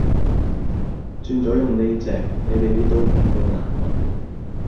轉咗用呢隻，你地啲刀片好難搵